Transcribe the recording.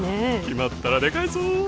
決まったらデカいぞ